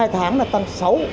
một mươi hai tháng là tăng sáu